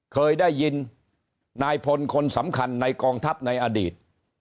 เคยได้ยินนายพลคนสำคัญในกองทัพในอดีต